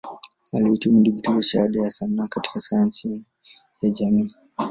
Alihitimu na digrii ya Shahada ya Sanaa katika Sayansi ya Jamii.